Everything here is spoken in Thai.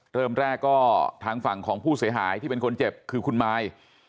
เริ่มแรกก็ทางฝั่งของผู้เสียหายที่เป็นคนเจ็บคือคุณมาย